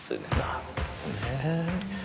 なるほどね。